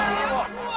うわ。